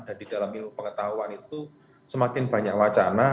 dan di dalam ilmu pengetahuan itu semakin banyak wacana